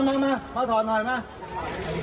มาดิมามาไง